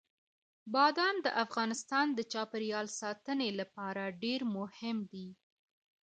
بادام د افغانستان د چاپیریال ساتنې لپاره ډېر مهم دي.